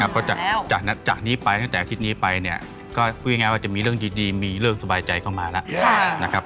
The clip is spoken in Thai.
เพราะจากนี้ไปตั้งแต่อาทิตย์นี้ไปเนี่ยก็พูดง่ายว่าจะมีเรื่องดีมีเรื่องสบายใจเข้ามาแล้วนะครับ